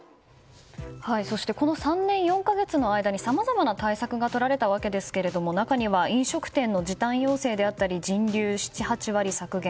そしてこの３年４か月の間にさまざまな対策がとられたわけですけれども中には飲食店の時短要請であったり人流７８割削減。